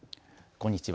こんにちは。